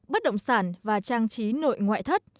bất động sản và trang trí nội ngoại thất